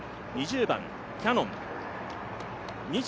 ２０番、キヤノン。